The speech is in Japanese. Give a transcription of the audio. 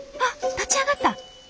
立ち上がった。